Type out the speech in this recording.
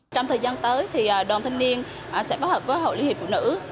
trong thời gian tới thì đoàn thanh niên sẽ bắt hợp với hội liên hiệp phụ nữ